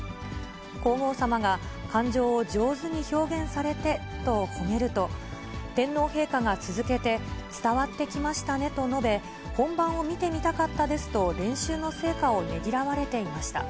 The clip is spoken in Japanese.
皇后さまが、感情を上手に表現されてと褒めると、天皇陛下が続けて、伝わってきましたねと述べ、本番を見てみたかったですと、練習の成果をねぎらわれていました。